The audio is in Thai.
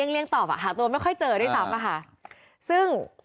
เรียงตอบหาตัวไม่ค่อยเจอซึ่ง